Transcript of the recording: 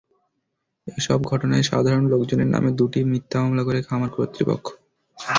এসব ঘটনায় সাধারণ লোকজনের নামে দুটি মিথ্যা মামলা করে খামার কর্তৃপক্ষ।